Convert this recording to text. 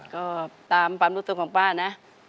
ก็ตามความรู้สึกของป้านะ